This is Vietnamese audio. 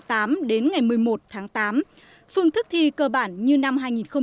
đến ngày một mươi một tháng tám phương thức thi cơ bản như năm hai nghìn một mươi chín